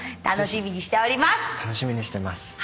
楽しみにしてます。